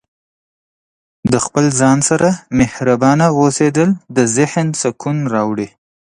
د خپل ځان سره مهربانه اوسیدل د ذهن سکون راوړي.